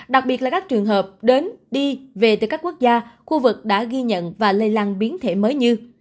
đặc biệt là các trường hợp đi về từ các quốc gia khu vực đã ghi nhận và lây lan biến thể mới như